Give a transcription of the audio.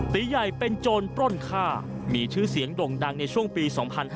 ตีใหญ่เป็นโจรปล้นฆ่ามีชื่อเสียงด่งดังในช่วงปี๒๕๕๙